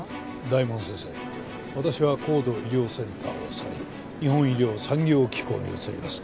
大門先生私は高度医療センターを去り日本医療産業機構に移ります。